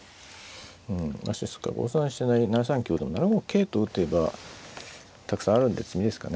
うん５三飛車成７三香でも７五桂と打てばたくさんあるんで詰みですかね。